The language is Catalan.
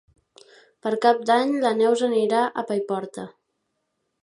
Per Cap d'Any na Neus anirà a Paiporta.